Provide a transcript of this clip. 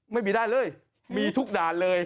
ไม่ได้เลยมีทุกด่านเลย